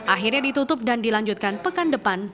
akhirnya ditutup dan dilanjutkan ke kejaksaan